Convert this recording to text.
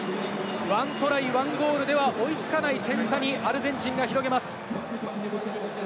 １トライ１ゴールでは追いつかない点差にアルゼンチンが広げます。